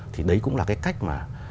thì đấy cũng là cái cách mà